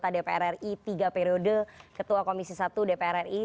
dpr ri tiga periode ketua komisi satu dpr ri